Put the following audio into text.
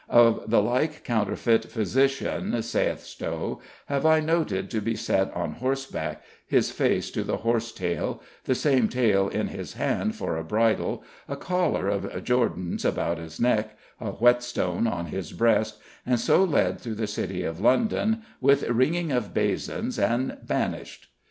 Of the like counterfeit physician (saith Stow) have I noted to be set on horse back, his face to the horse tail, the same tail in his hand for a bridle, a collar of jordans about his neck, a whetstone on his breast, and so led through the city of London, with ringing of basons, and banished."